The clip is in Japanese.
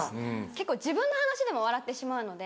結構自分の話でも笑ってしまうので。